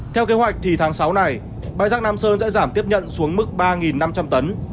theo kế hoạch thì tháng sáu này bãi rác nam sơn sẽ giảm tiếp nhận xuống mức ba năm trăm linh tấn